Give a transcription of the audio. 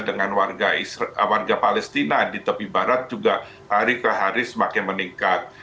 dengan warga palestina di tepi barat juga hari ke hari semakin meningkat